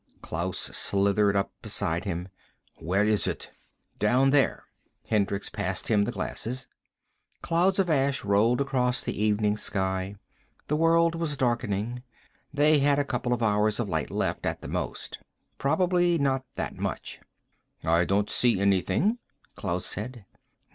Klaus slithered up beside him. "Where is it?" "Down there." Hendricks passed him the glasses. Clouds of ash rolled across the evening sky. The world was darkening. They had a couple of hours of light left, at the most. Probably not that much. "I don't see anything," Klaus said.